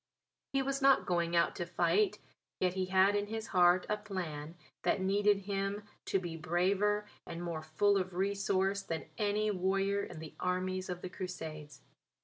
He was not going out to fight, yet he had in his heart a plan that needed him to be braver and more full of resource than any warrior in the armies of the Crusades.